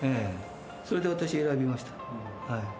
それで私、選びました。